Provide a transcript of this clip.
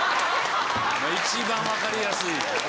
一番分かりやすい。